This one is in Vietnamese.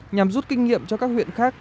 nhằm rút kinh nghiệm cho các huyện khác